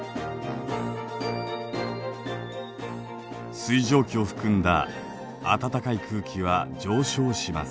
水蒸気を含んだ暖かい空気は上昇します。